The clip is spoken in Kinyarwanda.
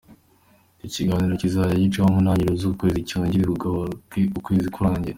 Icyo kiganiro kizajya gicaho mu ntangiriro z’ukwezi cyongere kigaruke ukwezi kurangiye.